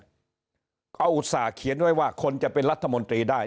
เอาอุตส่าห์เขียนไว้ว่าคนจะเป็นรัฐมนตรีได้